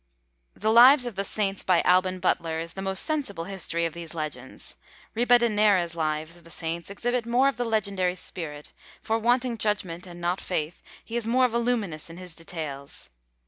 The lives of the saints by Alban Butler is the most sensible history of these legends; Ribadeneira's lives of the saints exhibit more of the legendary spirit, for wanting judgment and not faith, he is more voluminous in his details.